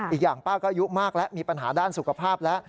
อีกอย่างป้าก็อายุมากแล้วมีปัญหาด้านสุขภาพแล้ว